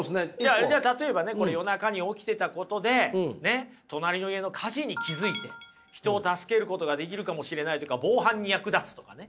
じゃあ例えばねこれ夜中に起きてたことでねっ隣の家の火事に気付いて人を助けることができるかもしれないとか防犯に役立つとかね。